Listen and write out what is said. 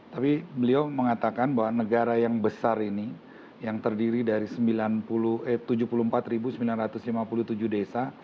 tapi beliau mengatakan bahwa negara yang besar ini yang terdiri dari tujuh puluh empat sembilan ratus lima puluh tujuh desa